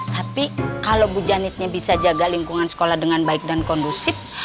tapi kalau bu janitnya bisa jaga lingkungan sekolah dengan baik dan kondusif